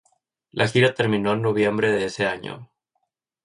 La gira terminó en noviembre de ese año.